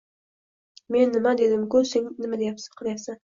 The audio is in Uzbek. Men nima dedim-ku sen nima qilyapsan!